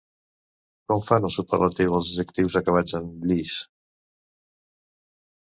Com fan el superlatiu els adjectius acabats en -ilis?